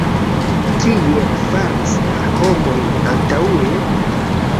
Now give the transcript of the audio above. Kiel faris la homojn antaŭe?